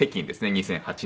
２００８年。